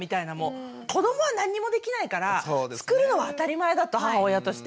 子どもは何にもできないから作るのは当たり前だと母親として。